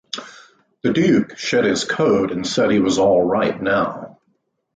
The duke shed his coat and said he was all right, now.